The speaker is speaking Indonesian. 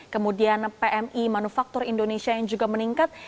kemudian pmi manufaktur indonesia yang juga meningkat